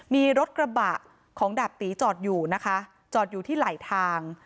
มีรถกระบะของดาบตีจอดอยู่นะคะจอดอยู่ที่ไหลทาง